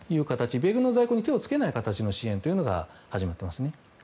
米軍の在庫に手を付けない形の支援というのが始まってますね。